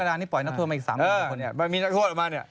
ขนาดนี้ปล่อยนักทั่วมาอีกสามคน